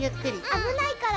あぶないからね。